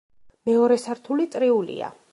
მეორე სართული წრიულია.